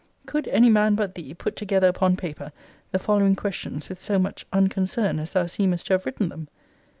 Could any man but thee put together upon paper the following questions with so much unconcern as thou seemest to have written them?